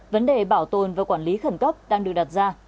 vấn đề bảo tồn và quản lý khẩn cấp đang được đặt ra